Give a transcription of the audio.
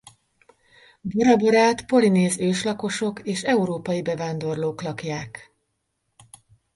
Bora Borát polinéz őslakosok és európai bevándorlók lakják.